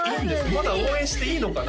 まだ応援していいのかな？